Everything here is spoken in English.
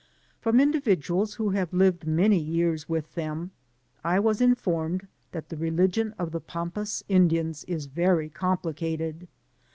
From individuals who had lived many years with them, I was informed that the religion of the Pampas Indians is very complicated.